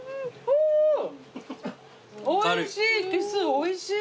おいしい！